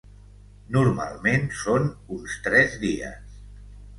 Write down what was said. Normalment són uns tres dies.